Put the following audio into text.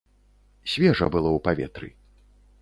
Свежа было ў паветры.